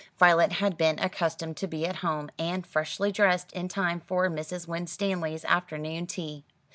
Violet had been accustomed to be at home, and freshly dressed, in time for Mrs. Winstanley's afternoon tea.